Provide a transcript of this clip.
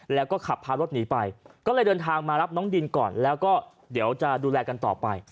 แล้วก็ขับพารถหนีไปก็เลยเดินทางมารับน้องดินก่อนแล้วก็เดี๋ยวจะดูแลกันต่อไป